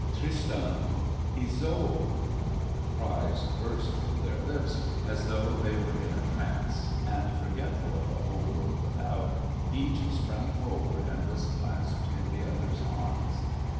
"Tristan!" "Isolde!" The cries burst from their lips, as though they were in a trance; and forgetful of the whole world without, each sprang forward and was clasped in the other's arms.